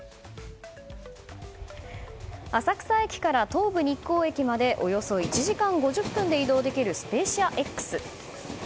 浅草駅から東武日光駅までおよそ１時間５０分で移動できる「スペーシアＸ」。